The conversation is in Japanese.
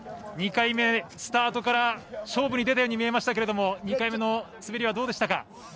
２回目、スタートから勝負に出たように見えましたけれども２回目の滑りはどうでしたか。